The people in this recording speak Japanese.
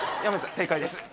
正解です！